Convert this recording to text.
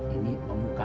ini om buka